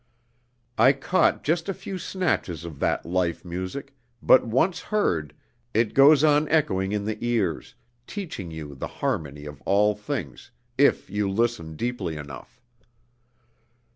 I caught just a few snatches of that life music, but once heard it goes on echoing in the ears, teaching you the harmony of all things, if you listen deeply enough.